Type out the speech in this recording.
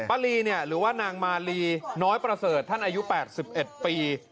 ลีหรือว่านางมาลีน้อยประเสริฐท่านอายุ๘๑ปี